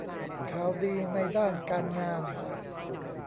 ข่าวดีในด้านการงาน